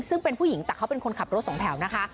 ซึ่งเป็นผู้หญิงแต่เขาเป็นคนขับรถสองแถวนะคะ